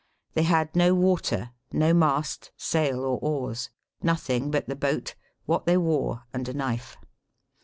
They had no water, no mast, sail, or oars ; nothing but the boat, what they wore, and a knife.